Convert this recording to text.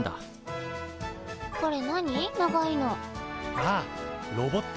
ああロボット